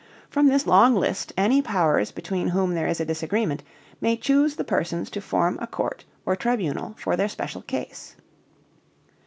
From this long list any powers between whom there is a disagreement may choose the persons to form a court or tribunal for their special case.